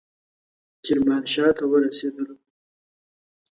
کرمانشاه ته ورسېدلو.